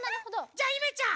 じゃあゆめちゃん